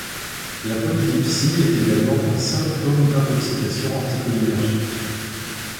La polydipsie est également un symptôme d'intoxication anticholinergique.